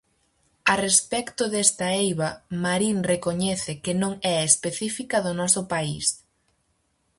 A respecto desta eiva, Marín recoñece que non é específica do noso país.